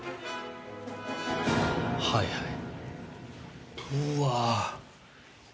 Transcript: はいはい。